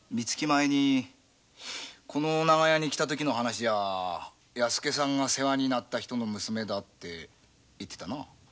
前この長屋に来た時の話じゃ弥助さんが世話になった人の娘だって言ってたな。